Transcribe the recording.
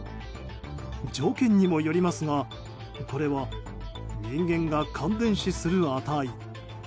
条件にもよりますがこれは人間が感電死する値。